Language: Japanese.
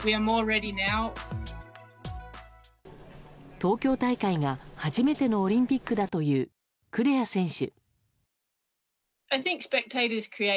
東京大会が、初めてのオリンピックだというクレア選手。